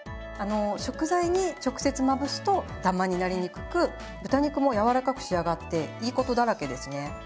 食材に直接まぶすとダマになりにくく豚肉も軟らかく仕上がっていいことだらけですね。